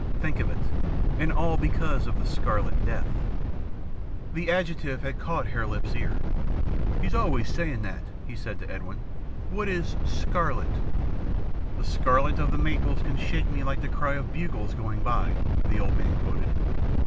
Think of it! And all because of the Scarlet Death " The adjective had caught Hare Lip's ear. "He's always saying that," he said to Edwin. "What is scarlet?" "'The scarlet of the maples can shake me like the cry of bugles going by,'" the old man quoted.